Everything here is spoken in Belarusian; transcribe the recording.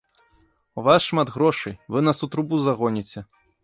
У вас шмат грошай, вы нас у трубу загоніце!